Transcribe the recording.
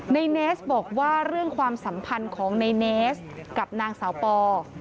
เนสบอกว่าเรื่องความสัมพันธ์ของในเนสกับนางสาวปอ